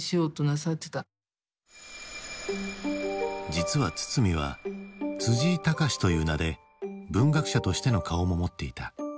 実は堤は井喬という名で文学者としての顔も持っていた。